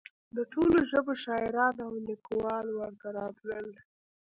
د ټولو ژبو شاعران او لیکوال ورته راتلل.